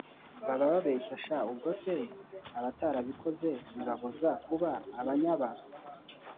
Baba babeshya sha ubwose abatarabikoze bibabuza kuba abanyaba